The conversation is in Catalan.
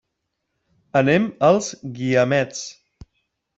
Anem als Guiamets.